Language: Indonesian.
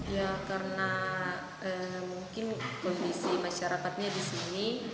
ya karena mungkin kondisi masyarakatnya di sini